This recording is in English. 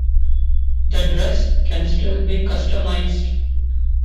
The dress can still be customised.